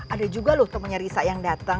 ada juga loh temannya risa yang datang